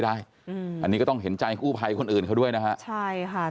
อันนี้ก็ต้องเห็นใจนาทีขุพัยคนอื่นเขาด้วยนะข้า